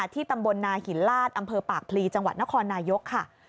ที่ตำบลนาหินลาดอำเภอปากพลีจังหวัดนครนายกค่ะ